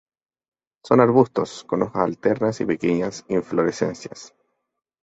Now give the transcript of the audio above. Son arbustos, con hojas alternas, y pequeñas inflorescencias.